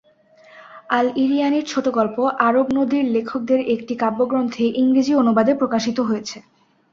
আল-ইরিয়ানির ছোটগল্প আরব নারী লেখকদের একটি কাব্যগ্রন্থে ইংরেজি অনুবাদে প্রকাশিত হয়েছে।